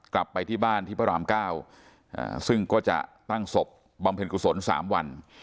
กลับไปที่บ้านที่พระราม๙ซึ่งก็จะตั้งศพบำเพ็ญกุศล๓วัน